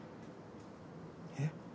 えっ？